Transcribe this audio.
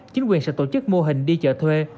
chính quyền sẽ tổ chức mô hình đi chợ thuê